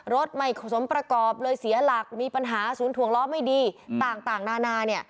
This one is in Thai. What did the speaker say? รถไม่สมประกอบเลยเสียหลักมีปัญหาศูนย์ถวงล้อไม่ดีต่างนานาเนี่ย